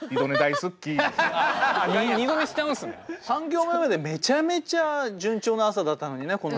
３行目までめちゃめちゃ順調な朝だったのにね。